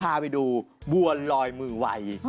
พาไปดูบัวลอยมือวัย